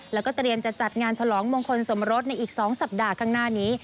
แล้วก็เตรียมจะจัดงานฉลองมงคลสมรสในอีก๒สัปดาห์ข้างหน้านี้